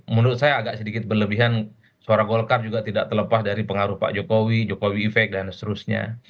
menurut saya agak sedikit berlebihan suara golkar juga tidak terlepas dari pengaruh pak jokowi jokowi efek dan seterusnya